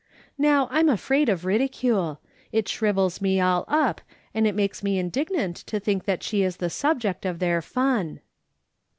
Now, I'm afraid of ridicule : it shrivels me all up, and it makes me indignant to think that she is the subject of their fun."